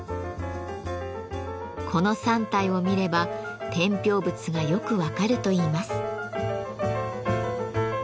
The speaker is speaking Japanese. この３体を見れば天平仏がよく分かるといいます。